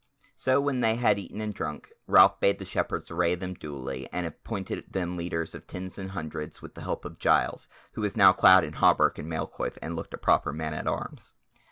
So when they had eaten and drunk, Ralph bade the Shepherds array them duly, and appointed them leaders of tens and hundreds with the help of Giles, who was now clad in a hauberk and mail coif and looked a proper man at arms.